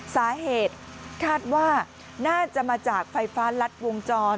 สาเหตุคาดว่าน่าจะมาจากไฟฟ้ารัดวงจร